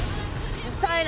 うるさいな！